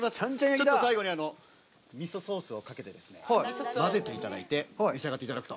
ちょっと最後にみそソースをかけてですね、混ぜていただいて、召し上がっていただくと。